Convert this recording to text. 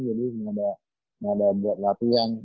jadi gak ada latihan